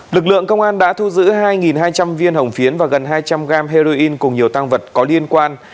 lực lượng công an đã thu giữ hai hai trăm linh viên hồng phiến và gần hai trăm linh g heroin cùng nhiều tăng vật có liên quan